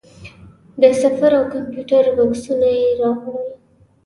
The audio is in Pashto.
د سفر او کمپیوټر بکسونه یې راوړل.